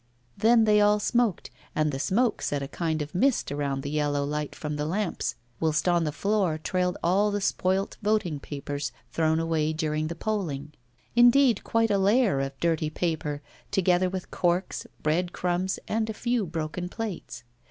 Then they all smoked, and the smoke set a kind of mist around the yellow light from the lamps, whilst on the floor trailed all the spoilt voting papers thrown away during the polling; indeed, quite a layer of dirty paper, together with corks, breadcrumbs, and a few broken plates.